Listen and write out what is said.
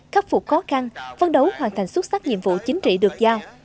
khắc phục khó khăn phân đấu hoàn thành xuất sắc nhiệm vụ chính trị được giao